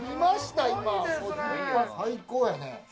最高やね。